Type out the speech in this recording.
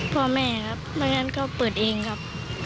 พ่อแม่ครับไม่งั้นเขาเปิดเองครับ